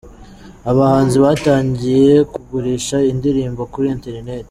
Abahanzi batangiye kugurisha indirimbo kuri ‘interinete’